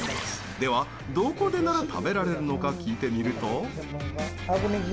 では、どこでなら食べられるのか聞いてみると。